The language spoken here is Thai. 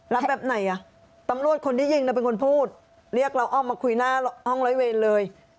แบบไหนอ่ะตำรวจคนที่ยิงน่ะเป็นคนพูดเรียกเราอ้อมมาคุยหน้าห้องร้อยเวรเลย